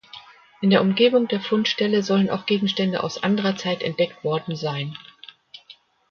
In der Umgebung der Fundstelle sollen auch Gegenstände aus anderer Zeit entdeckt worden sein.